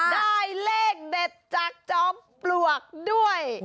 ได้เลขเด็ดจากจอมปลวกด้วย